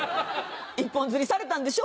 一本釣りされたんでしょ？